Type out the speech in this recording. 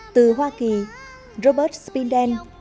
từ hoa kỳ robert spindel